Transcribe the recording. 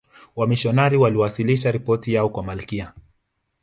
wamishionari waliwasilisha ripoti yao kwa malkia